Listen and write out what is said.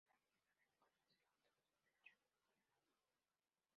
La misma le reconoce al autor su derecho de propiedad.